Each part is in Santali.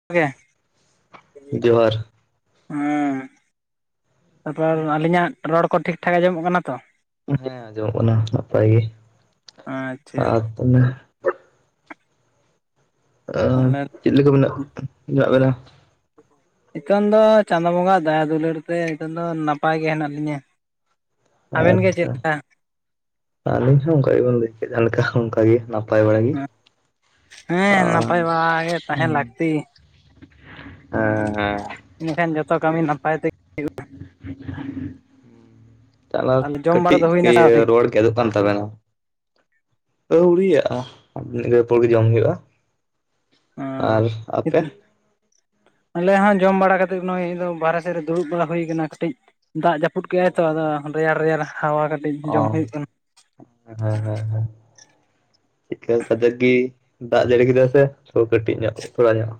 [unintelligible] ᱡᱚᱦᱟᱨ ᱚᱸ ᱛᱟᱯᱚᱨ ᱟᱹᱞᱤᱧᱟᱜ ᱨᱚᱲ ᱠᱚ ᱴᱷᱤᱠ-ᱴᱷᱟᱠ ᱟᱸᱡᱚᱢᱚᱜ ᱠᱟᱱᱟ ᱛᱚ? ᱦᱮᱸ ᱟᱸᱡᱚᱢᱚᱜ ᱠᱟᱱᱟ ᱱᱟᱯᱟᱭ ᱜᱮ ᱟᱪᱪᱷᱟ ᱟᱨ ᱛᱟᱦᱚᱞᱮ ᱟᱨ ᱛᱟᱦᱚᱞᱮ ᱪᱮᱫ ᱞᱮᱠᱟ ᱢᱮᱱᱟᱜ ᱢᱮᱱᱟᱜ ᱵᱮᱱᱟ? ᱱᱤᱛᱚᱝ ᱫᱚ ᱪᱟᱸᱫᱚ ᱵᱚᱸᱜᱟ ᱫᱟᱭᱟ ᱫᱩᱞᱟᱹᱲ ᱛᱮ ᱱᱤᱛᱚᱝ ᱫᱚ ᱱᱟᱯᱟᱭ ᱜᱮ ᱦᱮᱱᱟᱜ ᱞᱤᱧᱟᱹ᱾ ᱟᱵᱮᱱ ᱜᱮ ᱪᱮᱫ ᱟᱪᱪᱷᱟ ᱞᱮᱠᱟ ᱟᱹᱞᱤᱧ ᱦᱚᱸ ᱚᱝᱠᱟ ᱜᱮᱵᱮᱱ ᱞᱟᱹᱭ ᱠᱮᱫ ᱡᱟᱦᱟᱸ ᱞᱮᱠᱟ ᱚᱝᱠᱟ ᱜᱮ ᱱᱟ ᱯᱟᱭ ᱵᱟᱲᱟ ᱜᱤ᱾ ᱦᱮᱸ ᱱᱟᱯᱟᱭ ᱵᱟᱲᱟ ᱜᱮ ᱦᱮᱸ ᱛᱟᱦᱮᱸᱱ ᱞᱟᱠᱛᱤ᱾ ᱤᱱᱟᱹᱠᱷᱟᱱ ᱡᱚᱛᱚ ᱠᱟᱹᱢᱤ ᱱᱟᱯᱟᱭ ᱛᱮᱜᱮ ᱛᱟᱞᱮ ᱛᱟᱦᱚᱞᱮ ᱡᱚᱢ ᱵᱟᱲᱟ ᱠᱟᱹᱴᱤᱡ ᱫᱚ ᱦᱩᱭᱱᱟ ᱥᱮ ᱤᱭᱟᱹ ᱟᱹᱣᱨᱤ ᱨᱚᱲ ᱜᱮᱫᱚᱜ ᱠᱟᱱ ᱛᱟᱵᱮᱱᱟ᱾ ᱟᱹᱣᱨᱤᱭᱟᱜ-ᱟ ᱢᱤᱫ ᱜᱷᱟᱹᱨᱤᱡ ᱯᱚᱨ ᱜᱮ ᱡᱚᱢ ᱦᱩᱭᱩᱜ-ᱟ᱾ ᱟᱸ [unintelligible] ᱟᱞᱮ ᱦᱚᱸ ᱡᱚᱢ ᱵᱟᱲᱟ ᱠᱟᱛᱮ ᱱᱚᱜ-ᱚᱭ ᱵᱟᱨᱦᱮ ᱥᱮᱫ ᱨᱮ ᱫᱩᱲᱩᱵ ᱵᱟᱲᱟ ᱦᱩᱭ ᱠᱟᱱᱟ ᱠᱟᱹᱴᱤᱡ ᱫᱟᱜ ᱡᱟᱹᱯᱩᱫ ᱠᱮᱫ-ᱟᱭ ᱛᱚ ᱟᱫᱚ ᱨᱮᱭᱟᱲ ᱨᱮᱭᱟᱲ ᱦᱟᱣᱟ ᱠᱟᱹᱴᱤᱡ ᱚ ᱡᱚᱢ ᱦᱩᱭᱩᱜ ᱠᱟᱱᱟ᱾ ᱦᱮᱸ ᱦᱮᱸ ᱦᱮᱸ ᱮᱠᱟᱞ ᱠᱟᱡᱟᱠ ᱜᱮ ᱫᱟᱜ ᱡᱟᱹᱲᱤ ᱠᱮᱫᱟ ᱥᱮ ᱛᱷᱚᱲᱟ ᱠᱟᱹᱴᱤᱡ ᱧᱚᱜ ᱛᱷᱚᱲᱟ ᱧᱚᱜ?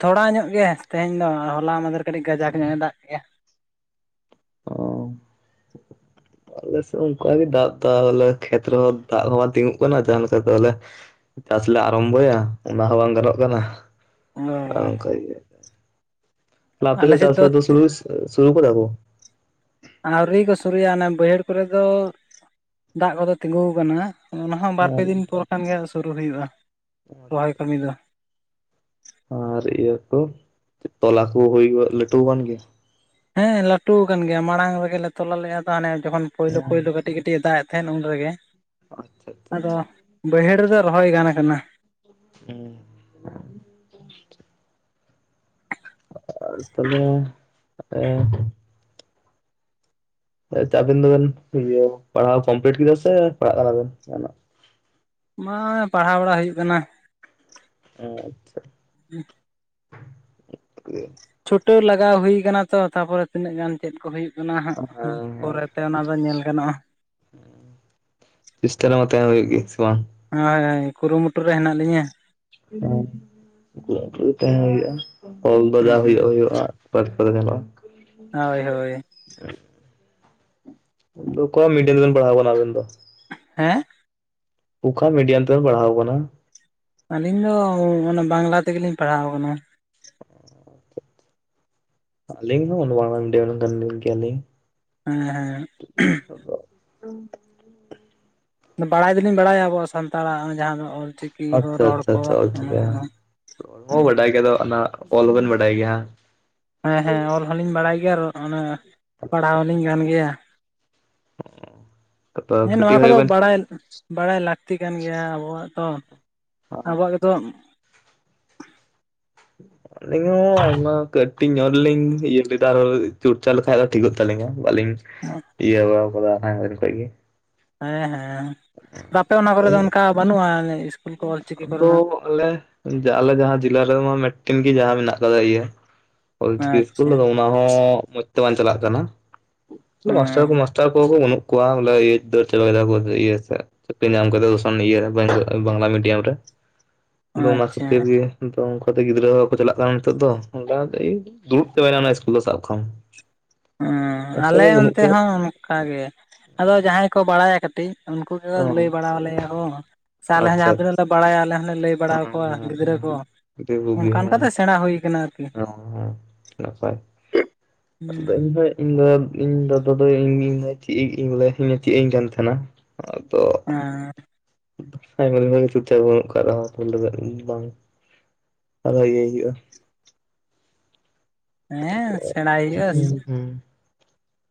ᱛᱷᱚᱲᱟ ᱧᱚᱜ ᱜᱮ ᱛᱮᱦᱮᱧ ᱫᱚ ᱦᱚᱞᱟ ᱢᱟᱸᱫᱷᱮᱨ ᱠᱟᱹᱴᱤᱡ ᱜᱟᱡᱟᱠ ᱧᱚᱜ-ᱮ ᱫᱟᱜ ᱠᱮᱜ-ᱟ᱾ ᱚ [inaudible] ᱟᱞᱮ ᱥᱮᱫ ᱚᱝᱠᱟ ᱜᱮ ᱫᱟᱜ ᱛᱟᱷᱮᱛ [unintelligible] ᱠᱷᱮᱛ ᱨᱮᱦᱚᱸ ᱫᱟᱜ ᱦᱚᱸ ᱵᱟᱝ ᱛᱤᱸᱜᱩᱜ ᱠᱟᱱᱟ ᱡᱟᱦᱟᱸ ᱞᱮᱠᱟ ᱫᱚ ᱟᱞᱮ ᱪᱟᱥ ᱞᱮ ᱟᱨᱟᱢᱵᱷᱚᱭᱟ ᱚᱱᱟ ᱦᱚᱸ ᱵᱟᱝ ᱜᱟᱱᱚᱜ ᱠᱟᱱᱟ᱾ ᱟ ᱚ ᱚᱝᱠᱟ ᱜᱮ ᱛᱟᱦᱚᱞᱮ ᱟᱯᱮ ᱥᱮᱫ ᱪᱟᱥ-ᱵᱟᱥ ᱫᱚ ᱥᱩᱨᱩ ᱥᱮ ᱥᱩᱨᱩ ᱠᱟᱫᱟ ᱠᱩ? ᱟᱹᱣᱨᱤ ᱠᱚ ᱥᱩᱨᱩᱭᱟ ᱚᱱᱮ ᱵᱟᱹᱭᱦᱟᱹᱲ ᱠᱚᱨᱮ ᱫᱚ ᱫᱟᱜ ᱠᱚᱫᱚ ᱛᱤᱸᱜᱩᱣ ᱠᱟᱱᱟ᱾ ᱚᱱᱟ ᱦᱚᱸ ᱵᱟᱨᱯᱮ ᱫᱤᱱ ᱯᱚᱨ ᱠᱷᱟᱱ ᱜᱮ ᱥᱩᱨᱩ ᱦᱩᱭᱩᱜ-ᱟ᱾ ᱨᱚᱦᱚᱭ ᱠᱟᱹᱢᱤ ᱫᱚ ᱟᱨ ᱤᱭᱟᱹ ᱠᱚ ᱛᱚᱞᱟ ᱠᱚ ᱦᱩᱭ ᱜᱚᱫ ᱞᱟᱹᱴᱩ ᱠᱟᱱ ᱜᱮᱭᱟ? ᱦᱮᱸ ᱞᱟᱹᱴᱩ ᱠᱟᱱ ᱜᱮᱭᱟ ᱢᱟᱲᱟᱝ ᱨᱮᱜᱮ ᱞᱮ ᱛᱚᱞᱟ ᱞᱮ ᱮᱨ ᱞᱟᱣᱟ ᱚᱱᱮ ᱡᱚᱠᱷᱚᱱ ᱯᱳᱭᱞᱳ ᱯᱳᱭᱞᱳ ᱠᱟᱹᱴᱤᱡ ᱠᱟᱹᱴᱤᱡ ᱮ ᱫᱟᱜ ᱮᱫ ᱛᱟᱦᱮᱸᱫ ᱩᱱ ᱨᱮᱜᱮ, ᱟᱪᱪᱷᱟ ᱟᱪᱪᱷᱟ ᱟᱫᱚ ᱟᱪᱪᱷᱟ ᱵᱟᱹᱭᱦᱟᱹᱲ ᱨᱮᱫᱚ ᱨᱚᱦᱚᱭ ᱜᱟᱱ ᱠᱟᱱᱟ᱾ ᱩᱸ ᱟᱨ ᱛᱟᱦᱚᱞᱮ ᱮᱸ ᱦᱚᱭ ᱛᱚ ᱟᱹᱵᱤᱱ ᱫᱚᱵᱮᱱ ᱤᱭᱟᱹ ᱯᱟᱲᱦᱟᱣ ᱠᱚᱢᱯᱞᱤᱴ ᱠᱮᱫᱟ ᱥᱮ ᱯᱟᱲᱦᱟᱜ ᱠᱟᱱᱟ ᱵᱮᱱ ᱡᱟᱦᱟᱸ ᱱᱟᱜ? ᱵᱟᱝ ᱯᱟᱲᱷᱟᱭ ᱵᱟᱲᱟ ᱦᱩᱭᱩᱜ ᱠᱟᱱᱟ᱾ ᱟᱪᱪᱷᱟ, ᱪᱷᱩᱴᱟᱹᱣ ᱞᱟᱜᱟᱣ ᱦᱩᱭ ᱟᱠᱟᱱᱟ ᱛᱚ ᱛᱟᱯᱚᱨᱮ ᱛᱤᱱᱟᱹᱜ ᱜᱟᱱ ᱪᱮᱫ ᱠᱚ ᱦᱩᱭᱩᱜ ᱠᱟᱱᱟ, ᱦᱟᱸᱜ ᱦᱮᱸ ᱦᱮᱸ ᱯᱚᱨᱮᱛᱮ ᱚᱱᱟ ᱫᱚ ᱧᱮᱞ ᱜᱟᱱᱚᱜ-ᱟ᱾ ᱪᱤᱥᱴᱟ ᱨᱮᱢᱟ ᱛᱟᱦᱮᱸ ᱦᱩᱭᱩᱜ ᱜᱮ ᱥᱮ ᱵᱟᱝ? ᱦᱳᱭ ᱦᱳᱭ ᱠᱩᱨᱩᱢᱩᱴᱩ ᱨᱮ ᱦᱮᱱᱟᱜ ᱞᱤᱧᱟᱹ᱾ ᱚ ᱞᱟᱹᱴᱷᱩ ᱛᱟᱦᱮᱸ ᱦᱩᱭᱩᱜ-ᱟ ᱚᱞ ᱫᱚ ᱡᱟ ᱦᱩᱸ ᱦᱳᱭᱳᱜ-ᱟ ᱦᱳᱭᱳᱜ-ᱟ᱾ [unintelligible] ᱧᱮᱞᱚᱜ-ᱟ᱾ ᱦᱳᱭ ᱦᱳᱭ, ᱚᱞᱩ ᱠᱚ ᱢᱤᱰᱤᱞ ᱮᱢ ᱛᱮᱵᱮᱱ ᱯᱟᱲᱦᱟᱣ ᱠᱟᱱᱟ ᱟᱵᱮᱱ ᱫᱚ᱾ ᱦᱮᱸ, ᱚᱠᱟ ᱢᱤᱰᱤᱭᱟᱢ ᱛᱮᱢ ᱯᱟᱲᱦᱟᱣ ᱠᱟᱱᱟ? ᱟᱹᱞᱤᱧ ᱫᱚ ᱚᱱᱟ ᱵᱟᱝᱞᱟ ᱛᱮᱜᱮ ᱞᱤᱧ ᱯᱟᱲᱦᱟᱣ ᱠᱟᱱᱟ᱾ ᱟᱞᱤᱧ ᱦᱚᱸ ᱵᱟᱝᱞᱟ ᱢᱤᱰᱤᱭᱟᱢ ᱨᱮᱱ ᱜᱮᱭᱟ ᱞᱤᱧ᱾ ᱦᱮᱸ [unintelligible] ᱵᱟᱲᱟᱭ ᱫᱩᱞᱤᱧ ᱵᱟᱲᱟᱭᱟ ᱟᱵᱚᱣᱟᱜ ᱥᱟᱱᱛᱟᱲ ᱟᱜ ᱡᱟᱦᱟᱸ ᱫᱚ ᱚᱞ ᱪᱤᱠᱤ᱾ ᱟᱪᱪᱷᱟ ᱟᱪᱪᱷᱟ ᱟᱪᱪᱷᱟ, ᱚᱞ ᱪᱤᱠᱤ ᱦᱟᱸᱜ ᱵᱟᱰᱟᱭ ᱜᱮᱫᱚ ᱚᱱᱟ ᱚᱞ ᱦᱚᱸ ᱵᱮᱱ ᱵᱟᱰᱟᱭ ᱜᱮᱭᱟ᱾ ᱦᱮᱸ ᱦᱮᱸ, ᱚᱞ ᱦᱚᱸᱞᱤᱧ ᱵᱟᱲᱟᱭ ᱜᱮᱭᱟ ᱟᱨ ᱚᱱᱮ ᱯᱟᱲᱦᱟᱣ ᱦᱚᱸᱞᱤᱧ ᱜᱟᱱ ᱜᱮᱭᱟ᱾ ᱛᱚ ᱦᱮᱸ ᱠᱟᱹᱴᱤᱡ ᱱᱚᱣᱟ ᱠᱷᱚᱡ ᱠᱚᱫᱚ ᱜᱮᱵᱮᱱ ᱵᱟᱲᱟᱭ, ᱵᱟᱲᱟᱭ ᱞᱟᱹᱠᱛᱤ ᱠᱟᱱ ᱜᱮᱭᱟ ᱟᱵᱚᱣᱟᱜ ᱛᱚ ᱟᱵᱚᱣᱟᱜ ᱜᱮᱛᱚ᱾ ᱟᱹᱞᱤᱧ ᱦᱚᱸ ᱟᱭᱢᱟ ᱠᱟᱹᱴᱤᱡ ᱧᱚᱜᱞᱤᱧ ᱤᱭᱟᱹ ᱞᱮᱫᱟ ᱟᱨ ᱪᱩᱨᱪᱟ ᱞᱮᱠᱷᱟᱱ ᱫᱚ ᱴᱷᱤᱠᱚᱜ ᱛᱟᱹᱞᱤᱧᱟᱹ ᱵᱟᱹᱞᱤᱧ ᱤᱭᱟᱹ ᱵᱟᱲᱟ ᱟᱠᱟᱫᱟ ᱦᱮᱸ ᱠᱷᱚᱡ ᱜᱮ᱾ ᱦᱮᱸ ᱦᱮᱸ, ᱟᱯᱮ ᱚᱱᱟ ᱠᱚᱨᱮ ᱫᱚ ᱚᱱᱠᱟ ᱵᱟᱹᱱᱩᱜ-ᱟ ᱫᱚ ᱟᱞᱮ ᱟᱞᱮ ᱡᱟᱦᱟᱸ ᱡᱤᱞᱟ ᱨᱮᱢᱟ ᱢᱮᱫᱴᱮᱱ ᱜᱮ ᱡᱟᱦᱟᱸ ᱢᱮᱱᱟᱜ ᱠᱟᱫᱟ ᱤᱭᱟᱹ᱾ ᱚᱞ ᱪᱤᱠᱤ ᱤᱥᱠᱩᱞ ᱟᱪᱪᱷᱟ ᱟᱫᱚ ᱚᱱᱟ ᱦᱚᱸ ᱢᱚᱸᱡᱽ ᱛᱮ ᱵᱟᱝ ᱪᱟᱞᱟᱜ ᱠᱟᱱᱟ᱾ ᱢᱟᱥᱴᱟᱨ ᱠᱚ ᱢᱟᱥ- ᱴᱟᱨ ᱠᱚ ᱦᱚᱸ ᱵᱟᱹᱱᱩᱜ ᱠᱚᱣᱟ ᱵᱚᱞᱮ ᱫᱟᱹᱲ ᱪᱟᱵᱟ ᱠᱮᱫᱟᱠ ᱤᱭᱟᱹ ᱥᱮᱫ ᱪᱟᱹᱠᱨᱤ ᱧᱟᱢ ᱠᱟᱛᱮᱫ [unintelligible] ᱥᱮᱫ᱾ ᱵᱟᱝᱞᱟ ᱢᱤᱰᱤᱭᱟᱢ ᱨᱮ ᱟᱫᱚ ᱚᱱᱟ ᱟᱪᱪᱷᱟ ᱠᱷᱟᱹᱛᱤᱨ ᱜᱮ᱾ ᱚᱱᱠᱟ ᱚᱱᱠᱟ ᱛᱮ ᱜᱤᱫᱽᱨᱟᱹ ᱦᱚᱸ ᱵᱟᱠᱚ ᱪᱟᱞᱟᱜ ᱠᱟᱱᱟ ᱱᱤᱛᱚᱜ ᱫᱚ ᱚᱱᱠᱟ ᱫᱩᱲᱩᱵ ᱪᱟᱵᱟᱭ ᱮᱱᱟ ᱚᱱᱟ ᱤᱥᱠᱩᱞ ᱫᱚ ᱥᱟᱵ ᱠᱟᱢ᱾ ᱚᱸ ᱢᱟᱥᱴᱟᱨ ᱟᱞᱮ ᱠᱚ ᱵᱟᱹᱱᱩᱜ ᱚᱱᱛᱮ ᱠᱚᱣᱟ ᱦᱚᱸ ᱚᱱᱠᱟ ᱜᱮ᱾ ᱟᱫᱚ ᱡᱟᱦᱟᱸᱭ ᱠᱚ ᱵᱟᱲᱟᱭᱟ ᱠᱟᱹᱴᱤᱡ ᱩᱱᱠᱩ ᱜᱮ ᱞᱟᱹᱭ ᱚ ᱵᱟᱲᱟᱣ ᱞᱮᱭᱟ ᱦᱚᱸ᱾ ᱥᱮ ᱟᱞᱮ ᱦᱚᱸ ᱡᱟᱦᱟᱸ ᱟᱪᱪᱷᱟ ᱛᱤᱱᱟᱹᱜ ᱞᱮ ᱵᱟᱲᱟᱭᱟ ᱟᱞᱮ ᱦᱚᱸᱞᱮ ᱞᱟᱹᱭ ᱵᱟᱲᱟ ᱠᱚᱣᱟ ᱜᱤᱫᱽᱨᱟᱹ ᱠᱚ᱾ ᱟᱹᱰᱤ ᱵᱩᱜᱤ ᱚᱱᱠᱟ ᱚᱱᱠᱟᱛᱮ ᱦᱮᱸ ᱥᱮᱬᱟ ᱦᱩᱭ ᱠᱟᱱᱟ ᱟᱨᱠᱤ᱾ ᱦᱮᱸ ᱦᱮᱸ [unintelligible] ᱤᱧ ᱫᱚ ᱤᱧ ᱫᱟᱫᱟ ᱫᱚ ᱤᱧ ᱪᱮᱫ ᱪᱮᱫ ᱤᱧ ᱠᱟᱱ ᱛᱟᱦᱮᱸᱱᱟ, ᱟᱫᱚ ᱦᱮᱸ, ᱟᱭᱢᱟ ᱜᱮ ᱪᱚᱨᱪᱟ ᱵᱟᱹᱱᱩᱜ ᱠᱟᱜ ᱨᱮᱦᱚᱸ [unintelligible] ᱵᱟᱝ ᱟᱫᱚ ᱤᱭᱟᱹᱭ ᱦᱩᱭᱩᱜ-ᱟ᱾ ᱦᱮᱸ ᱥᱮᱬᱟᱭ ᱦᱩᱭᱩᱜ-ᱟ, ᱦᱩᱸ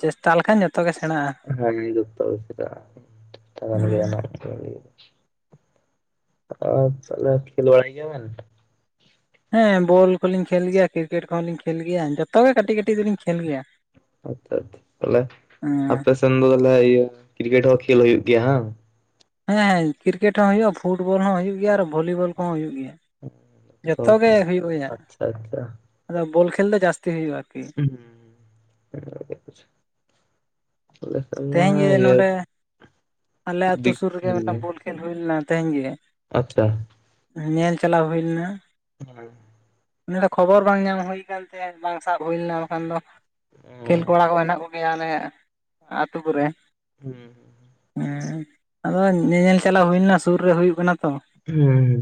ᱪᱮᱥᱴᱟ ᱞᱮᱠᱷᱟᱱ ᱡᱚᱛᱚᱜ ᱜᱮ ᱥᱮᱬᱟᱜ-ᱟ᱾ ᱵᱷᱟᱜᱮ ᱜᱮᱛᱚ [unintelligible] ᱟᱫᱚ ᱛᱟᱦᱚᱞᱮ ᱠᱷᱮᱞ ᱵᱟᱲᱟᱭ ᱜᱮᱭᱟ ᱵᱮᱱ? ᱦᱮᱸ ᱵᱚᱞ ᱠᱚᱞᱤᱧ ᱠᱷᱮᱞ ᱜᱮᱭᱟ ᱠᱨᱤᱠᱮᱴ ᱠᱚᱦᱚᱸᱞᱤᱧ ᱠᱷᱮᱞ ᱜᱮᱭᱟ ᱡᱚᱛᱚ ᱜᱮ ᱠᱟᱹᱴᱤᱡ ᱠᱟᱹᱴᱤᱡ ᱫᱚᱞᱤᱧ ᱠᱷᱮᱞ ᱜᱮᱭᱟ ᱾ ᱟᱪᱪᱷᱟ ᱟᱪᱪᱷᱟ ᱛᱟᱦᱚᱞᱮ ᱦᱮᱸ ᱟᱯᱮᱥᱮᱱ ᱫᱚ ᱛᱟᱦᱚᱞᱮ ᱤᱭᱟᱹ ᱠᱨᱤᱠᱮᱴ ᱦᱚᱸ ᱠᱷᱮᱞ ᱦᱩᱭᱩᱜ ᱜᱮᱭᱟ ᱦᱟᱝ! ᱦᱮᱸ ᱦᱮᱸ ᱠᱨᱤᱠᱮᱴ ᱦᱚᱸ ᱦᱩᱭᱩᱜᱼᱟ ᱯᱷᱩᱴᱵᱚᱞ ᱦᱚᱸ ᱦᱩᱭᱩᱜ ᱜᱮᱭᱟ ᱟᱨ ᱵᱷᱚᱞᱤᱵᱚᱞ ᱠᱚᱦᱚᱸ ᱦᱩᱭᱩᱜ ᱜᱮᱭᱟ ᱾ ᱛᱚ ᱟᱪᱪᱷᱟ ᱟᱪᱪᱷᱟ ᱾ ᱟᱫᱚ ᱵᱚᱞ ᱠᱷᱮᱞ ᱫᱚ ᱡᱟᱥᱛᱤ ᱦᱩᱭᱩᱜᱼᱟ ᱟᱨᱠᱤ ᱾ ᱦᱩᱸ [inaudible] ᱛᱮᱦᱮᱧ ᱜᱮ ᱱᱚᱰᱮ ᱟᱞᱮ ᱟᱛᱩ ᱫᱤᱠ ᱥᱩᱨ ᱨᱮᱜᱮ ᱢᱤᱫᱴᱟᱝ ᱵᱚᱞ ᱠᱷᱮᱞ ᱦᱩᱭ ᱞᱮᱱᱟ ᱛᱮᱦᱮᱧ ᱜᱮ ᱾ ᱟᱪᱪᱷᱟ ᱾ ᱧᱮᱞ ᱪᱟᱞᱟᱣ ᱦᱩᱭ ᱞᱮᱱᱟ ᱾ ᱵᱷᱟᱜᱮ ᱾ ᱱᱤᱭᱟᱹ ᱫᱚ ᱠᱷᱚᱵᱚᱨ ᱵᱟᱝ ᱧᱟᱢ ᱦᱩᱭ ᱟᱠᱟᱱ ᱛᱟᱦᱮᱸ ᱵᱟᱝ ᱥᱟᱵ ᱦᱩᱭ ᱞᱮᱱᱟ ᱵᱟᱠᱷᱨᱟ ᱫᱚ ᱠᱷᱮᱞ ᱠᱚᱲᱟ ᱠᱚ ᱦᱮᱱᱟᱜ ᱠᱚᱜᱮᱭᱟ ᱚᱞᱮ ᱟᱹᱛᱩ ᱠᱚᱨᱮ ᱾ ᱦᱩᱸ ᱾ ᱦᱩᱸ, ᱟᱫᱚ ᱧᱮᱧᱮᱞ ᱪᱟᱞᱟᱣ ᱦᱩᱭ ᱞᱮᱱᱟ ᱥᱩᱨ ᱨᱮ ᱦᱩᱭᱩᱜ ᱠᱟᱱᱟ ᱛᱚ ᱾ ᱦᱩᱸ ᱾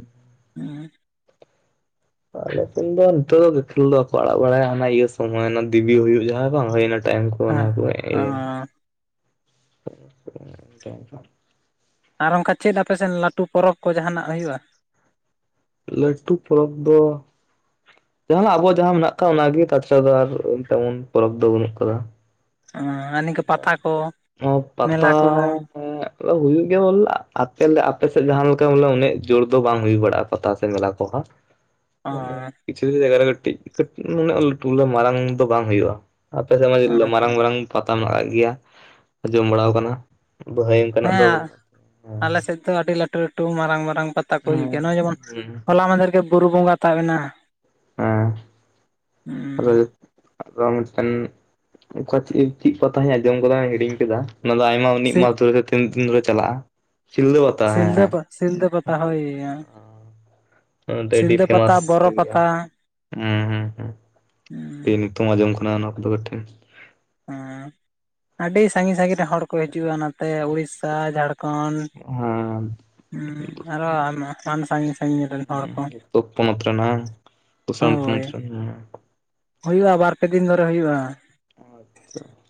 ᱦᱩᱸ ᱾ ᱟᱞᱮ ᱥᱮᱱ ᱫᱚ ᱱᱤᱛᱚᱜ ᱫᱚ ᱠᱷᱮᱞ ᱫᱚ ᱵᱟᱠᱚ ᱟᱲᱟᱜ ᱵᱟᱲᱟᱭᱟ ᱦᱟᱱᱟ ᱤᱭᱟᱹ ᱥᱚᱢᱚᱭ ᱦᱟᱱᱟ ᱫᱤᱵᱤ ᱦᱩᱭᱩᱜ ᱡᱟᱦᱟᱸ ᱵᱟᱝ ᱦᱩᱭ ᱚᱱᱟ ᱴᱟᱭᱤᱢ ᱠᱚ ᱚᱱᱟ ᱦᱮᱸ ᱠᱚ ᱚ ᱤᱭᱟᱹ [inaudible] ᱟᱨ ᱚᱝᱠᱟ ᱪᱮᱫ ᱟᱯᱮᱥᱮᱱ ᱞᱟᱴᱩ ᱯᱚᱨᱚᱵᱽ ᱠᱚ ᱡᱟᱦᱟᱱᱟᱜ ᱦᱩᱭᱩᱜᱼᱟ? ᱞᱟᱹᱴᱩ ᱯᱚᱨᱚᱵᱽ ᱫᱚ ᱡᱟᱦᱟᱸᱱᱟᱜ ᱟᱵᱚ ᱡᱟᱦᱟᱸ ᱢᱮᱱᱟᱜ ᱟᱠᱟᱜ ᱚᱱᱟᱜᱮ ᱛᱟᱪᱷᱟᱲᱟ ᱫᱚ ᱟᱨ ᱛᱮᱢᱚᱱ ᱯᱚᱨᱚᱵ ᱫᱚ ᱵᱟᱹᱱᱩᱜ ᱠᱟᱫᱟ ᱾ ᱟᱸᱻ ᱚ ᱯᱟᱛᱟᱻ ᱠᱚ [inaudible] ᱦᱩᱭᱩᱜ ᱜᱮᱭᱟ ᱵᱚᱞᱮ ᱟᱯᱮ ᱟᱯᱮᱥᱮᱫ ᱡᱟᱦᱟᱸ ᱞᱮᱠᱟ ᱵᱚᱞᱮ ᱩᱱᱟᱹᱜ ᱡᱳᱨ ᱫᱚ ᱵᱟᱝ ᱦᱩᱭ ᱵᱟᱲᱟᱜᱼᱟ ᱯᱟᱛᱟ ᱥᱮ ᱢᱮᱞᱟ ᱠᱚ ᱦᱟᱜ ᱾ ᱚ ᱟᱫᱚ ᱠᱤᱪᱷᱩ ᱠᱤᱪᱷᱩ ᱡᱟᱭᱜᱟ ᱨᱮ ᱠᱟᱹᱴᱤᱡ ᱠᱟᱹᱴ ᱱᱩᱱᱟᱹᱜ ᱞᱟᱹᱴᱩ ᱞᱮ ᱢᱟᱨᱟᱝ ᱫᱚ ᱵᱟᱝ ᱦᱩᱭᱩᱜᱼᱟ ᱾ ᱟᱯᱮᱥᱮᱫ ᱢᱟ ᱪᱮᱞᱠᱟ ᱢᱟᱨᱟᱝ ᱢᱟᱨᱟᱝ ᱯᱟᱛᱟ ᱢᱟᱱᱟᱜ ᱜᱮᱭᱟ ᱟᱧᱡᱚᱢ ᱵᱟᱲᱟᱣ ᱠᱟᱱᱟ ᱵᱷᱟᱹᱭ ᱛᱮᱱᱟᱜ ᱫᱚ ᱟᱞᱮᱥᱮᱫ ᱫᱚ ᱟᱹᱰᱤ ᱞᱟᱹᱴᱩ ᱞᱟᱹᱴᱩ ᱢᱟᱨᱟᱝ ᱢᱟᱨᱟᱝ ᱯᱟᱛᱟ ᱠᱚ ᱦᱩᱭᱩᱜ ᱜᱮᱭᱟ ᱱᱚᱜᱼᱚᱭ ᱡᱮᱢᱚᱱ ᱦᱮᱸ ᱦᱚᱞᱟ ᱢᱟᱫᱷᱮᱨ ᱜᱮ ᱵᱩᱨᱩ ᱵᱚᱸᱜᱟ ᱛᱟᱵᱮᱱᱟ ᱾ ᱦᱩᱸ [unintelligible] ᱟᱱᱩᱥᱴᱷᱟᱱ ᱚᱠᱟ ᱪᱮᱫ ᱪᱮᱫ ᱯᱟᱛᱟᱧ ᱟᱸᱡᱚᱢ ᱠᱟᱫᱟ ᱦᱤᱲᱤᱧ ᱠᱟᱫᱟ ᱚᱱᱟ ᱫᱚ ᱟᱭᱢᱟ ᱩᱱᱤᱜ ᱥᱤ ᱢᱟᱞ ᱛᱩᱞᱟᱹ ᱠᱷᱟᱹᱛᱤᱨ ᱛᱤᱱ ᱫᱤᱱ ᱫᱷᱚᱨᱮ ᱪᱟᱞᱟᱜᱼᱟ? ᱥᱤᱞᱫᱟᱹ ᱯᱟᱛᱟ ᱦᱮᱸ ᱥᱤᱞᱫᱟᱹ ᱦᱮᱸ ᱯᱟ ᱥᱤᱞᱫᱟᱹ ᱯᱟᱛᱟ ᱦᱩᱭ [inaudible] ᱚᱱᱟ ᱫᱚ ᱟᱹᱰᱤ ᱯᱷᱮᱢᱟᱥ ᱜᱮᱭᱟ ᱯᱟᱛᱟ ᱦᱮᱸ ᱦᱩᱸ ᱦᱩᱸ ᱾ [unintelligible] ᱱᱤᱛᱩᱢ ᱟᱸᱡᱚᱢ ᱠᱟᱱᱟ ᱱᱚᱣᱟ ᱠᱚᱫᱚ ᱠᱟᱹᱴᱷᱤ ᱾ ᱦᱮᱸ, ᱟᱹᱰᱤ ᱥᱟᱺᱜᱤᱧ ᱥᱟᱺᱜᱤᱧ ᱨᱮᱱ ᱦᱚᱲ ᱠᱚ ᱦᱤᱡᱩᱜᱼᱟ ᱱᱚᱛᱮ ᱩᱲᱤᱥᱥᱟ ᱡᱷᱟᱲᱠᱷᱚᱸᱰ ᱦᱮᱸᱻ ᱦᱩᱸ ᱟᱨᱚ ᱟᱭᱢᱟ ᱦᱟᱱ ᱥᱟᱺᱜᱤᱧ ᱥᱟᱺᱜᱤᱧ ᱨᱮᱱ ᱦᱚᱲ ᱠᱚ ᱛᱚ ᱯᱚᱱᱟᱛ ᱨᱮᱱᱟ ᱦᱟᱝ ᱦᱳᱭ [unintelligible] ᱦᱩᱭᱩᱜᱼᱟ ᱵᱟᱨ ᱯᱮ ᱫᱤᱱ ᱫᱷᱚᱨᱮ ᱦᱩᱭᱩᱜᱼᱟ᱾ [inaudible]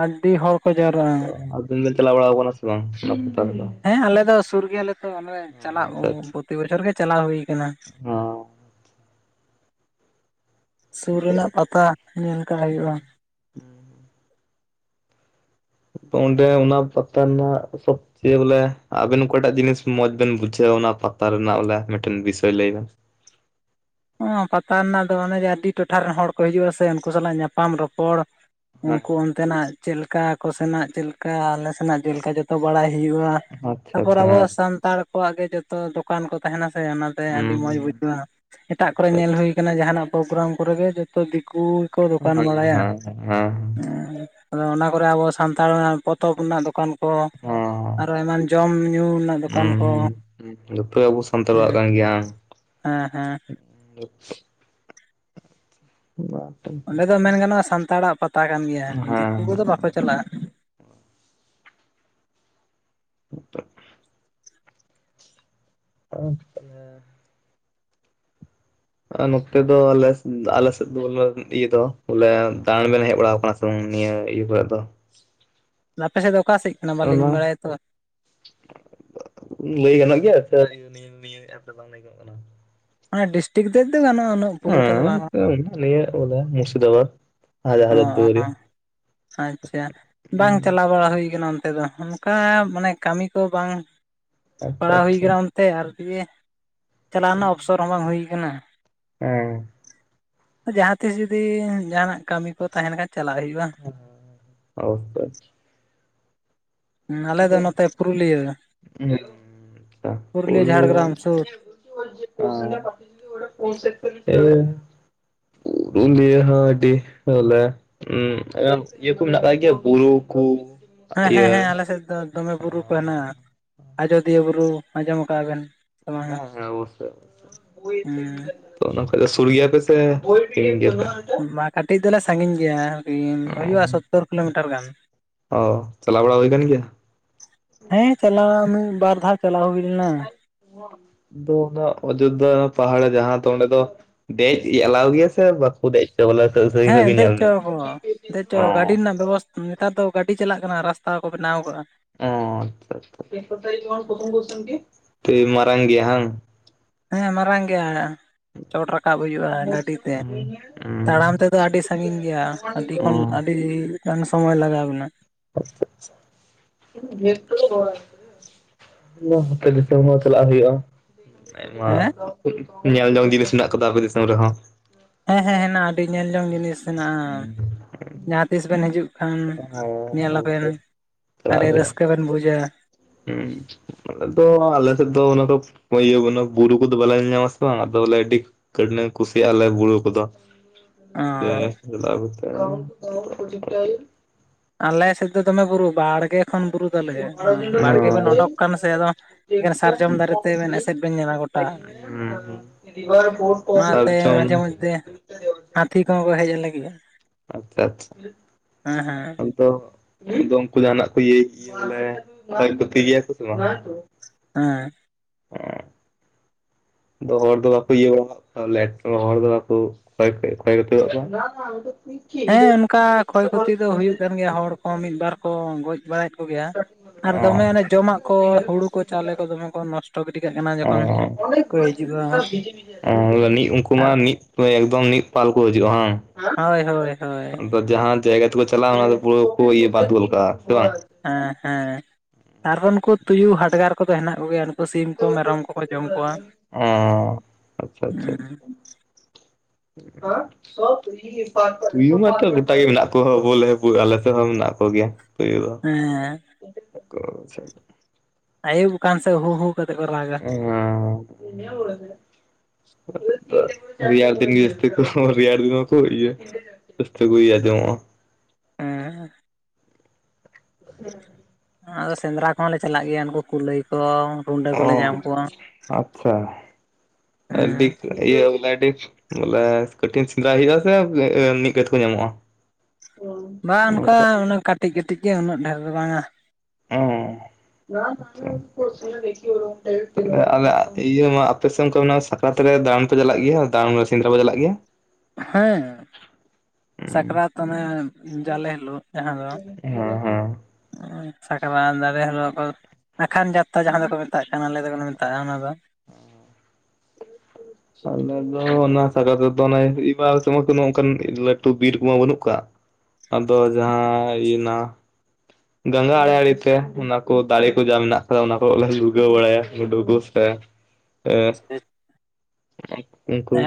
ᱟᱹᱰᱤ ᱦᱚᱲ ᱠᱚ ᱡᱟᱣᱨᱟᱜ- ᱟ ᱾ ᱟᱨ ᱵᱤᱱ ᱵᱮᱱ ᱪᱟᱞᱟᱣ ᱵᱟᱲᱟ ᱠᱟᱱᱟ ᱥᱮ ᱵᱟᱝ ᱚᱱᱟ ᱯᱟᱦᱴᱟ ᱠᱚᱫᱚ᱾ ᱦᱮᱸ ᱟᱞᱮ ᱫᱚ ᱥᱩᱨ ᱜᱮᱭᱟᱞᱮ ᱛᱚ ᱪᱟᱞᱟᱜ ᱟᱪᱪᱷᱟ ᱯᱨᱚᱛᱤ ᱵᱚᱪᱷᱚᱨ ᱜᱮ ᱪᱟᱞᱟᱣ ᱦᱩᱭ ᱠᱟᱱᱟ᱾ ᱦᱚᱸ ᱥᱩᱨ ᱨᱮᱱᱟᱜ ᱯᱟᱛᱟ ᱧᱮᱞ ᱠᱟᱜ ᱦᱩᱭᱩᱜᱼᱟ᱾ [unintelligible] ᱚᱸᱰᱮ ᱚᱱᱟ ᱯᱟᱛᱟ ᱨᱮᱱᱟᱜ ᱥᱚ ᱡᱮ ᱵᱚᱞᱮ ᱟᱵᱮᱱ ᱚᱠᱟᱴᱟᱜ ᱡᱤᱱᱤᱥ ᱢᱚᱸᱡᱽ ᱵᱮᱱ ᱵᱩᱡᱷᱟᱹᱣᱟ ᱚᱱᱟ ᱯᱟᱛᱟ ᱨᱮᱱᱟᱜ ᱵᱚᱞᱮ ᱢᱤᱫᱴᱮᱱ ᱵᱤᱥᱚᱭ ᱞᱟᱹᱭ ᱵᱮᱱ᱾ ᱯᱟᱛᱟ ᱨᱮᱱᱟᱜ ᱫᱚ ᱚᱱᱮ ᱡᱮ ᱟᱹᱰᱤ ᱴᱚᱴᱷᱟ ᱨᱮᱱ ᱦᱚᱲ ᱠᱚ ᱦᱤᱡᱩᱜᱼᱟ ᱥᱮ ᱩᱱᱠᱩ ᱥᱟᱞᱟᱜ ᱧᱟᱯᱟᱢ ᱨᱚᱯᱚᱲ᱾ ᱦᱮᱸ ᱩᱱᱠᱩ ᱚᱱᱛᱮᱱᱟᱜ ᱪᱮᱫᱞᱠᱟ ᱠᱚ ᱥᱮᱱᱟᱜ ᱪᱮᱫᱞᱮᱠᱟ ᱟᱞᱮ ᱥᱮᱱᱟᱜ ᱪᱮᱫᱮᱠᱟ ᱡᱚᱛᱚ ᱵᱟᱲᱟᱭ ᱦᱩᱭᱩᱜᱼᱟ᱾ ᱟᱪᱪᱷᱟ ᱛᱟᱯᱚᱨ ᱟᱪᱪᱷᱟ ᱟᱵᱚ ᱦᱮᱸ ᱥᱟᱱᱛᱟᱲ, ᱚᱣᱟᱜ ᱜᱮ ᱡᱚᱛᱚ ᱫᱚᱠᱟᱱ ᱠᱚ ᱛᱟᱦᱮᱱᱟ ᱥᱮ ᱚᱱᱟᱛᱮ ᱟᱹᱰᱤ ᱢᱚᱸᱡᱽ ᱦᱩᱸ ᱵᱩᱡᱷᱟᱹᱜᱼᱟ, ᱮᱴᱟᱜ ᱠᱚᱨᱮ ᱧᱮᱞ ᱦᱩᱸ ᱦᱩᱭ᱾ ᱠᱟᱱᱟ ᱡᱟᱦᱟᱱᱟᱜ ᱯᱨᱳᱜᱨᱟᱢ ᱠᱟᱛᱮ ᱜᱮ ᱡᱚᱛᱚ ᱫᱤᱠᱩ ᱜᱮ ᱠᱚ ᱫᱚᱠᱟᱱ ᱦᱮᱸ ᱵᱟᱲᱭᱟ᱾ ᱦᱮᱸ ᱦᱮᱸ ᱟᱫᱚ ᱚᱱᱟ ᱠᱚᱨᱮ ᱟᱵᱚ ᱥᱟᱱᱛᱟᱲ ᱯᱚᱛᱚᱵ ᱨᱮᱱᱟᱜ ᱫᱚᱠᱟᱱ᱾ ᱠᱚ ᱦᱮᱸ ᱟᱨᱚ ᱮᱢᱟᱱ ᱡᱚᱢ ᱧᱩ ᱨᱮᱱᱟᱜ ᱫᱚᱠᱟᱱ ᱦᱩᱸ ᱠᱚ᱾ ᱦᱩᱸ ᱡᱚᱛᱚ ᱟᱵᱚ ᱥᱟᱱᱛᱟᱲᱟᱜ ᱠᱟᱱ ᱜᱮᱭᱟ ᱵᱟᱝ᱾ ᱦᱮᱸ ᱦᱮᱸ [inaudible] ᱚᱸᱰᱮ ᱫᱚ ᱢᱮᱱ ᱜᱟᱱᱚᱜᱼᱟ ᱥᱟᱱᱛᱟᱲᱟᱜ ᱯᱟᱛᱟ ᱠᱟᱱ ᱜᱮᱭᱟ ᱫᱤᱠᱩ ᱦᱮᱸ ᱠᱚᱫᱚ ᱵᱟᱠᱚ ᱪᱟᱞᱟᱜᱼᱟ᱾ ᱱᱤᱛᱚᱜ᱾ [inaudible] ᱱᱚᱛᱮ ᱫᱚ ᱟᱞᱮ ᱟᱞᱮ ᱥᱮᱫ ᱫᱚ ᱵᱚᱞᱮ ᱤᱭᱟᱹ ᱫᱚ ᱵᱚᱞᱮ ᱫᱟᱬᱟᱱ ᱵᱮᱱ ᱦᱮᱡ ᱵᱟᱲᱟ ᱟᱠᱟᱱᱟ, ᱛᱚᱝ ᱱᱤᱭᱟᱹ ᱤᱭᱟᱹ ᱠᱚᱨᱮᱜ ᱫᱚ᱾ ᱟᱯᱮ ᱥᱮᱫ ᱫᱚ ᱚᱠᱟᱥᱮᱫ ᱠᱟᱱᱟ ᱵᱟᱞᱤᱧ ᱚᱱᱟ ᱵᱟᱲᱟᱭᱟ ᱛᱚ? ᱞᱟᱹᱭ ᱜᱟᱱᱚᱜ ᱜᱮᱭᱟ ᱥᱮ ᱱᱤᱭᱟᱹ ᱮᱯ ᱨᱮ ᱵᱟᱝ ᱞᱟᱹᱭ ᱜᱟᱱᱚᱜ ᱠᱟᱱᱟ ᱚᱱᱟ ᱰᱤᱥᱴᱤᱠ ᱛᱮᱫ ᱫᱚ ᱜᱟᱱᱚᱜᱼᱟ ᱩᱱᱟᱹᱜ, ᱯᱩᱨᱟᱹᱴᱟ ᱫᱚ ᱵᱟᱝ ᱦᱮᱸ ᱱᱤᱭᱟᱹ ᱢᱩᱨᱥᱤᱫᱟᱵᱟᱫᱽ, ᱚ ᱟᱪᱪᱷᱟ ᱵᱟᱝ ᱦᱩᱸ ᱪᱟᱞᱟᱣ ᱵᱟᱲᱟ ᱦᱩᱭ ᱟᱠᱟᱱᱟ ᱚᱱᱛᱮ ᱫᱚ ᱾ ᱚᱱᱠᱟ ᱢᱟᱱᱮ ᱠᱟᱹᱢᱤ ᱠᱚ ᱵᱟᱝ ᱟᱪᱪᱷᱟ ᱯᱟᱲᱟᱣ ᱦᱩᱭ ᱟᱪᱪᱷᱟ ᱠᱟᱱᱟ ᱚᱱᱛᱮ ᱟᱨ ᱫᱤᱭᱮ᱾ ᱪᱟᱞᱟᱣ ᱨᱮᱱᱟᱜ ᱚᱯᱥᱚᱨ ᱦᱚᱸ ᱵᱟᱝ ᱦᱩᱭ ᱠᱟᱱᱟ ᱾ ᱚᱸ ᱡᱟᱦᱟᱸᱛᱤᱥ ᱡᱩᱫᱤ ᱡᱟᱦᱟᱸᱱᱟᱜ ᱠᱟᱹᱢᱤ ᱠᱚ ᱛᱟᱦᱮᱸ ᱞᱮᱱᱠᱷᱟᱱ ᱪᱟᱞᱟᱜ ᱦᱩᱭᱩᱜᱼᱟ ᱾ [inaudible] ᱟᱞᱮ ᱫᱚ ᱱᱚᱛᱮ ᱯᱩᱨᱩᱞᱤᱭᱟᱹ, ᱯᱩᱨᱩᱞᱤᱭᱟᱹ ᱡᱷᱟᱲᱜᱨᱟᱢ ᱥᱩᱨ ᱾ [inaudible] ᱯᱩᱞᱤᱭᱟᱹ ᱦᱚᱸ ᱟᱹᱰᱤ ᱵᱚᱞᱮ ᱩᱸ ᱤᱭᱟᱹ ᱠᱚ ᱢᱮᱱᱟᱜ ᱟᱠᱟᱫ ᱜᱮᱭᱟ ᱵᱩᱨᱩ ᱠᱩ ᱦᱮᱸ ᱦᱮᱸ ᱤᱭᱟᱹ᱾ ᱦᱮᱸ ᱟᱞᱮ ᱥᱮᱫ ᱫᱚ ᱫᱚᱢᱮ ᱵᱩᱨᱩ ᱠᱚ ᱦᱮᱱᱟᱜᱼᱟ, ᱟᱡᱳᱚᱫᱤᱭᱟᱹ ᱵᱩᱨᱩ ᱟᱸᱡᱚᱢ ᱟᱠᱟᱜᱼᱟ ᱵᱮᱱ? ᱥᱮ ᱵᱟᱝᱟ ᱦᱮᱸ ᱦᱮᱸ ᱚᱵᱚᱥ ᱥᱚᱭ᱾ ᱦᱩᱸ ᱛᱚ ᱚᱱᱟ ᱠᱷᱚᱱ ᱫᱚ ᱥᱩᱨ ᱜᱮᱭᱟ ᱯᱮ ᱥᱮ ᱥᱟᱺᱜᱤᱧ ᱜᱮᱭᱟ ᱯᱮ? ᱢᱟ ᱠᱟᱹᱴᱤᱡ ᱫᱚᱞᱮ ᱥᱟᱺᱜᱤᱧ ᱜᱮᱭᱟ, ᱦᱳᱭᱳᱜ-ᱟ ᱥᱳᱛᱛᱳᱨ ᱠᱤᱞᱳᱢᱤᱴᱟᱨ ᱜᱟᱱ ᱾ ᱚ ᱪᱟᱞᱟ ᱵᱟᱲᱟ ᱦᱩᱭ ᱠᱟᱱ ᱜᱮᱭᱟ? ᱦᱮᱸ ᱪᱟᱞᱟᱣ ᱢᱤᱫ ᱵᱟᱨ ᱫᱷᱟᱣ ᱪᱟᱞᱟᱣ ᱦᱩᱭ ᱞᱮᱱᱟ᱾ ᱫᱚ ᱚᱱᱟ ᱚᱡᱳᱫᱽᱫᱷᱟ ᱯᱟᱦᱟᱲ ᱡᱟᱦᱟᱸ ᱫᱚ ᱚᱸᱰᱮ ᱫᱚ᱾ ᱫᱮᱡ ᱮᱞᱟᱣ ᱜᱮᱭᱟ ᱥᱮ ᱵᱟᱠᱚ ᱫᱮᱡ ᱪᱚ ᱵᱚᱞᱮ? ᱥᱟᱺᱜᱤᱧ ᱥᱟᱺᱜᱤᱧ ᱠᱷᱚᱡ ᱦᱮᱸ ᱜᱮ ᱫᱮᱡ ᱧᱮᱞ ᱪᱚ ᱢᱮ? ᱣᱟᱜᱟᱠᱚ ᱫᱮᱡ ᱪᱚ ᱣᱟᱜᱟᱠᱩ ᱜᱟᱹᱰᱤ ᱨᱮᱱᱟᱜ ᱵᱮᱵᱚᱥᱛᱟ ᱾ ᱱᱮᱛᱟᱨ ᱫᱚ ᱜᱟᱹᱰᱤ ᱪᱟᱞᱟᱜ ᱠᱟᱱᱟ ᱨᱟᱥᱛᱟ ᱠᱚ ᱵᱮᱱᱟᱣ ᱟᱠᱟᱜ-ᱟ ᱾ ᱚ ᱟᱪᱪᱷᱟ ᱟᱪᱪᱷᱟ ᱟᱰᱤ ᱢᱟᱨᱟᱝ ᱜᱮᱭᱟ ᱦᱟᱝ? ᱦᱮᱸ ᱢᱟᱨᱟᱝ ᱜᱮᱭᱟ ᱾ ᱪᱚᱴ ᱨᱟᱠᱟᱵ ᱦᱩᱭᱩᱜ-ᱟ ᱜᱟᱹᱰᱤ ᱛᱮ ᱛᱟᱲᱟᱢ ᱦᱩᱸ ᱛᱮᱫᱚ ᱟᱹᱰᱤ ᱥᱟᱺᱜᱤᱧ ᱜᱮᱭᱟ ᱾ ᱟᱹᱰᱤ ᱠᱷᱚᱱ ᱟᱹᱰᱤ ᱜᱟᱱ ᱥᱚᱢᱚᱭ ᱞᱟᱜᱟᱣ ᱵᱤᱱᱟ ᱾ [inaudible] ᱛᱟᱦᱟᱞᱮ ᱜᱚᱝᱠᱮ ᱫᱤᱥᱚᱢ ᱧᱮᱞ ᱪᱟᱞᱟᱜ ᱦᱩᱭᱩᱜ-ᱟ ᱾ ᱟᱭᱢᱟ ᱦᱮᱸ ᱧᱮᱞ ᱡᱚᱝ ᱡᱤᱱᱤᱥ ᱢᱮᱱᱟᱜ ᱠᱟᱫᱟ ᱟᱯᱮ ᱫᱤᱥᱚᱢ ᱨᱮᱦᱚᱸ ᱾ ᱦᱮᱸ ᱦᱮᱸ ᱦᱮᱱᱟᱜ-ᱟ ᱟᱹᱰᱤ ᱧᱮᱞ ᱡᱚᱝ ᱡᱤᱱᱤᱥ ᱦᱮᱱᱟᱜ-ᱟ ᱦᱮᱸ ᱡᱟᱦᱟᱸ ᱛᱤᱥ ᱵᱮᱱ ᱦᱤᱡᱩᱜ ᱠᱷᱟᱱ ᱧᱮᱞ ᱟᱵᱮᱱ ᱚᱵᱚᱥᱥᱳᱭ ᱪᱟᱞᱟᱜ ᱟᱹᱰᱤ ᱦᱩᱭᱩᱜᱼᱟ᱾ ᱨᱟᱹᱥᱠᱟᱹ ᱵᱮᱱ ᱵᱩᱡᱟ ᱾ ᱦᱩᱸ ᱾ ᱟᱞᱮ ᱫᱚ ᱟᱞᱮ ᱥᱮᱫ ᱫᱚ ᱚᱱᱟ ᱤᱭᱟᱹ ᱵᱩᱨᱩ ᱠᱚᱫᱚ ᱵᱟᱞᱮ ᱧᱮᱞ ᱧᱟᱢ ᱟ ᱥᱮ ᱵᱟᱝ ᱟᱫᱚ ᱵᱚᱞᱮ ᱟᱹᱰᱤ ᱠᱟᱹᱴᱱᱟ ᱠᱩᱥᱤ ᱭᱟᱜᱟᱞᱟ ᱵᱩᱨᱩ ᱠᱚᱫᱚ ᱾ [inaudible] ᱚ ᱟᱞᱮ ᱥᱮᱫ ᱫᱚᱢᱮ ᱵᱩᱨᱩ ᱵᱟᱲ ᱵᱟᱲᱜᱮ ᱠᱷᱚᱱ ᱵᱩᱨᱩ ᱫᱟᱞᱮ ᱵᱟᱲᱜᱮ ᱵᱮᱱ ᱚᱰᱩᱠ ᱟᱠᱟᱱ ᱥᱮ ᱟᱫᱚ ᱮᱠᱮᱱ ᱥᱟᱨᱡᱚᱢ ᱫᱟᱨᱮ ᱛᱮᱵᱮᱱ ᱮᱥᱮᱫ ᱵᱮᱱ ᱧᱟᱢᱟ ᱜᱚᱴᱟ ᱾ ᱦᱩᱸ ᱚᱱᱟᱛᱮ ᱥᱟᱨᱡᱚᱢ ᱢᱟᱡᱷᱮ ᱢᱚᱫᱽᱫᱷᱮ ᱦᱟᱹᱛᱤ ᱠᱚᱦᱚᱸ ᱠᱚ ᱦᱮᱡ ᱟᱞᱮ ᱜᱮᱭᱟ ᱾ ᱟᱪᱪᱷᱟ ᱟᱪᱪᱷᱟ ᱦᱮᱸ [inaudible] ᱟᱫᱚ ᱩᱱᱠᱩ ᱡᱟᱦᱱᱟᱜ ᱠᱚ ᱤᱭᱟᱹᱭ ᱜᱮᱭᱟ ᱵᱚᱞᱮ ᱠᱷᱚᱭ ᱠᱷᱩᱛᱤᱭ ᱜᱮᱭᱟ ᱠᱚ ᱥᱮ ᱵᱟᱝ? ᱦᱮᱸ ᱾ ᱚᱻ ᱾ ᱫᱚ ᱦᱚᱲ ᱫᱚ ᱵᱟᱠᱚ ᱤᱭᱟᱹ ᱵᱟᱲᱟ ᱟᱠᱟᱜ ᱵᱚᱞᱮ ᱦᱚᱲ ᱫᱚ ᱵᱟᱠᱚ ᱠᱷᱚᱭ ᱠᱷᱩᱛᱤᱭ ᱟᱠᱟᱫᱟ ᱠᱚᱣᱟ? ᱦᱮᱸ ᱚᱱᱠᱟ ᱠᱷᱚᱭ ᱠᱷᱚᱛᱤ ᱫᱚ ᱦᱩᱭᱩᱜ ᱠᱟᱱ ᱜᱮᱭᱟ ᱦᱚᱲ ᱠᱚ ᱢᱤᱫ ᱵᱟᱨ ᱠᱚ ᱜᱚᱡ ᱵᱟᱲᱟᱭᱮᱫ ᱠᱚᱜᱮᱭᱟ ᱾ ᱟᱨ ᱫᱚᱢᱮ ᱚᱱᱮ ᱡᱚᱢᱟᱜ ᱠᱚ ᱦᱩᱲᱩ ᱠᱚ ᱪᱟᱣᱞᱮ ᱠᱚ ᱫᱚᱢᱮ ᱠᱚ ᱱᱚᱥ ᱴᱚ ᱜᱤᱰᱤ ᱠᱟᱜ ᱠᱟᱱᱟ ᱾ ᱚ ᱩᱱᱠᱩ ᱢᱟ ᱟᱨ ᱢᱤᱫ ᱮᱠᱫᱚᱢ ᱢᱤᱫ ᱯᱟᱞ ᱠᱚ ᱦᱤᱡᱩᱜ-ᱟ ᱵᱟᱝ? ᱦᱳᱭ ᱦᱳᱭ ᱦᱳᱭ ᱾ ᱟᱫᱚ ᱡᱟᱦᱟᱸ ᱡᱟᱭᱜᱟ ᱛᱮᱠᱚ ᱪᱟᱞᱟᱜ-ᱟ ᱚᱱᱟ ᱯᱩᱨᱟᱹ ᱠᱚ ᱤᱭᱟᱹ ᱵᱟᱫ ᱜᱚᱫ ᱠᱟᱜ-ᱟ ᱥᱮ ᱵᱟᱝ? ᱦᱮᱸ ᱦᱮᱸ ᱟᱨ ᱱᱩᱠᱩ ᱛᱩᱭᱩ ᱦᱟᱰᱜᱟᱨ ᱠᱚᱫᱚ ᱦᱮᱱᱟᱜ ᱠᱚᱜᱮᱭᱟ ᱾ ᱥᱤᱢ ᱠᱚ ᱢᱮᱨᱚᱢ ᱠᱚᱠᱚ ᱡᱚᱢ ᱠᱚᱣᱟ ᱚ ᱦᱩᱸ ᱾ [unintelligible] ᱦᱮᱸ ᱾ ᱛᱩᱭᱩ ᱢᱟᱛᱚ ᱜᱚᱴᱟ ᱜᱮ ᱢᱮᱱᱟᱜ ᱠᱚᱣᱟ ᱵᱚᱞᱮ ᱦᱳ ᱟᱞᱮ ᱥᱮᱫ ᱦᱚᱸ ᱢᱮᱱᱟᱜ ᱠᱚᱜᱮᱭᱟ ᱾ ᱦᱩᱭᱩᱜ-ᱟ ᱦᱮᱸ ᱚ ᱟᱪᱪᱷᱟ ᱾ ᱟᱹᱭᱩᱵ ᱠᱟᱱᱟ ᱥᱮ ᱦᱩ ᱦᱩ ᱠᱟᱛᱮᱫ ᱠᱚ ᱨᱟᱜᱟ ᱾ ᱦᱮᱸ ᱾ ᱨᱮᱭᱟᱲ ᱫᱤᱱ ᱜᱮ ᱡᱟᱥᱛᱤ ᱠᱚ ᱨᱮᱭᱟᱲ ᱫᱤᱱ ᱢᱟ ᱠᱚ ᱤᱭᱟᱹ ᱾ ᱡᱟᱥᱛᱤ ᱦᱩ ᱟᱡᱚᱢᱚᱜ-ᱟ ᱾ ᱦᱮᱸ ᱾ ᱦᱮᱸ [inaudible] ᱟᱫᱚ ᱥᱮᱸᱫᱽᱨᱟ ᱠᱚᱦᱚᱸ ᱞᱮ ᱪᱟᱞᱟᱜ ᱜᱮᱭᱟ ᱩᱱᱠᱩ ᱠᱩᱞᱟᱹᱭ ᱠᱚ ᱨᱩᱰᱟᱹ ᱚ ᱠᱚᱞᱮ ᱧᱟᱢ ᱠᱚᱣᱟ ᱟᱪᱪᱷᱟ ᱦᱮᱸ ᱟᱹᱰᱤ- ᱤᱭᱟᱹ ᱚᱱᱠᱟᱭ ᱟᱹᱰᱤ ᱵᱚᱞᱮ ᱠᱟᱴᱤᱱ ᱥᱮᱸᱫᱽᱨᱟᱭ ᱦᱩᱭᱩᱜ ᱟ ᱥᱮ ᱱᱤᱝᱠᱟᱛᱮ ᱠᱚ ᱧᱟᱢᱚᱜ-ᱟ᱾ ᱵᱟᱝ ᱚᱱᱠᱟ ᱚᱱᱟ ᱠᱟᱹᱴᱤᱡ ᱠᱟᱹᱴᱤᱡ ᱜᱮ ᱩᱱᱟᱹᱜ ᱰᱷᱮᱨ ᱫᱚ ᱵᱟᱝᱟ᱾ ᱮᱸ ᱟᱞᱮ ᱤᱭᱟᱹ ᱢᱟ ᱟᱯᱮ ᱥᱮᱱ ᱠᱚ ᱢᱮᱱᱟᱜ ᱟᱛᱚ ᱨᱮ ᱫᱟᱲᱟᱱ ᱯᱮ ᱪᱟᱞᱟᱜ ᱜᱮᱭᱟ ᱫᱟᱲᱟᱱ ᱨᱮ ᱥᱮᱸᱫᱽᱨᱟ ᱯᱮ ᱪᱟᱞᱟᱜ ᱜᱮᱭᱟ? ᱦᱮᱸ ᱦᱮᱸ ᱥᱟᱠᱨᱟᱛ ᱚᱱᱮ ᱡᱟᱞᱮ ᱦᱤᱞᱳᱜ ᱡᱟᱦᱟᱸ ᱫᱚ ᱦᱮᱸ ᱥᱟᱠᱨᱟᱛ ᱡᱟᱞᱮ ᱦᱤᱞᱳᱜ ᱠᱚ ᱟᱠᱷᱟᱱ ᱡᱟᱛᱨᱟ ᱡᱟᱦᱟᱸ ᱫᱚᱠᱚ ᱢᱮᱛᱟᱜ ᱠᱟᱱᱟ ᱟᱞᱮ ᱫᱚᱞᱮ ᱢᱮᱛᱟᱜ-ᱟ ᱚᱱᱟ ᱫᱚ᱾ ᱥᱟᱜᱟᱨ ᱫᱚ ᱚᱱᱟ ᱥᱟᱜᱟ ᱛᱮᱫᱚ ᱚᱱ ᱮᱵᱟᱨ ᱛᱮᱢᱟ ᱚᱱᱠᱟᱱ ᱞᱟᱹᱴᱩ ᱵᱤᱨ ᱠᱚᱢᱟ ᱵᱟᱹᱱᱩᱜ ᱠᱟᱜ [unintelligible] ᱟᱫᱚ ᱡᱟᱦᱟᱸ ᱤᱱᱟ ᱜᱟᱝᱜᱟ ᱟᱲᱮ ᱟᱲᱮ ᱛᱮ ᱚᱱᱟ ᱠᱚ ᱫᱟᱨᱮ ᱠᱚ ᱡᱟ ᱢᱮᱱᱟᱜ ᱟᱠᱟᱫᱟ ᱚᱱᱟ ᱠᱚᱜᱮᱞᱮ ᱞᱩᱲᱜᱟᱹᱣ ᱵᱟᱲᱟᱭᱟ ᱜᱩᱰᱩ ᱠᱩ ᱥᱮ [unintelligible] ᱮ ᱟᱨ ᱩᱱᱠᱩ [inaudible]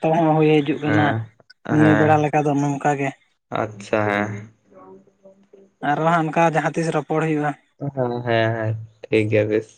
ᱯᱟᱲᱦᱟᱣ ᱦᱚ ᱦᱩᱭ ᱦᱤᱡᱩᱜ ᱠᱟᱱᱟ ᱦᱮᱸ ᱱᱤᱭᱟᱹ ᱦᱮᱸ ᱵᱮᱲᱟ ᱞᱮᱠᱟ ᱫᱚ ᱱᱚᱝᱠᱟ ᱜᱮ᱾ ᱟᱪᱪᱷᱟ ᱦᱮᱸ᱾ [inaudible] ᱟᱨᱦᱚᱸ ᱦᱟᱸᱜ ᱚᱱᱠᱟ ᱡᱟᱦᱟᱸ ᱛᱤᱥ ᱨᱚᱯᱚᱲ ᱦᱩᱭᱩᱜ-ᱟ᱾ ᱦᱮᱸ ᱦᱮᱸ ᱴᱷᱤᱠ ᱜᱮᱭᱟ ᱵᱮᱥ᱾